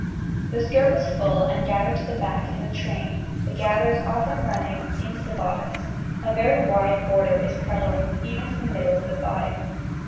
The skirt was full and gathered to the back in a train, the gathers often running into the bodice; a very wide border is prevalent, even to the middle of the thigh.